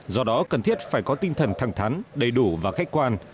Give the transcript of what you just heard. do đó cần thiết phải có tinh thần thẳng thắn đầy đủ và khách quan